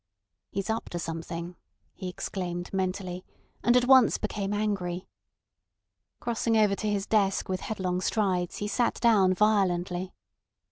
"He's up to something," he exclaimed mentally, and at once became angry. Crossing over to his desk with headlong strides, he sat down violently.